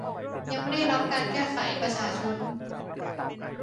ยังไม่ได้รับการแก้ไขประชาชน